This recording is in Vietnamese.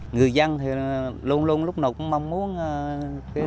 người dân thì luôn luôn lúc nào cũng mong muốn